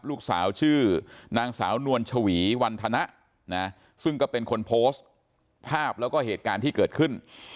ลูกสาวชื่อนางสาวนวลชวีวันธนะซึ่งก็เป็นคนโพสต์ภาพแล้วก็เหตุการณ์ที่เกิดขึ้น